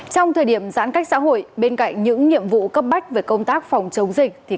trong thời điểm giãn cách xã hội bên cạnh những nhiệm vụ cấp bách về công tác phòng chống dịch